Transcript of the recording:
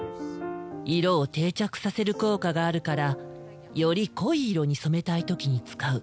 色を定着させる効果があるからより濃い色に染めたい時に使う。